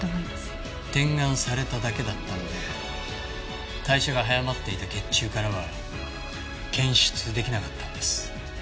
点眼されただけだったので代謝が早まっていた血中からは検出出来なかったんです。